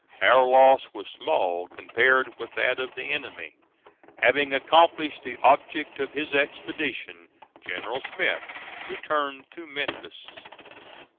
Our loss was small compared with that of the enemy. Having accomplished the object of his expedition, General Smith returned to Memphis.